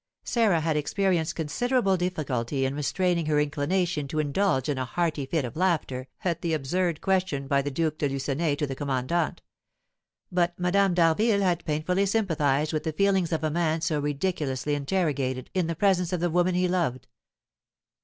Sarah had experienced considerable difficulty in restraining her inclination to indulge in a hearty fit of laughter at the absurd question put by the Duke de Lucenay to the commandant; but Madame d'Harville had painfully sympathised with the feelings of a man so ridiculously interrogated in the presence of the woman he loved.